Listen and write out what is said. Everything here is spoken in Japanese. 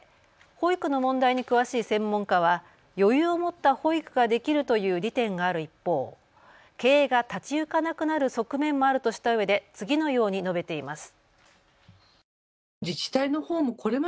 保育の問題に詳しい専門家は余裕をもった保育ができるという利点がある一方、経営が立ちゆかなくなる側面もあるとしたうえで次のように述べています。